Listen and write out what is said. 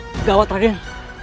di tempat raden